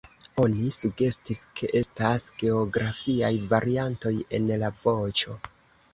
Oni sugestis, ke estas geografiaj variantoj en la voĉo.